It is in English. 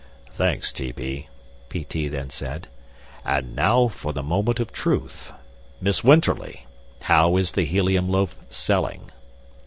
"Thanks, T.P.," P.T. then said. "And now for the Moment of Truth. Miss Winterly, how is the helium loaf selling?"